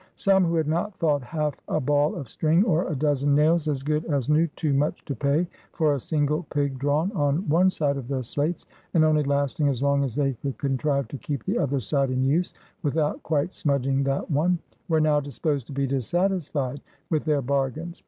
Some who had not thought half a ball of string, or a dozen nails as good as new, too much to pay for a single pig drawn on one side of their slates, and only lasting as long as they could contrive to keep the other side in use without quite smudging that one, were now disposed to be dissatisfied with their bargains.